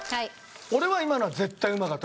俺は今のは絶対うまかった。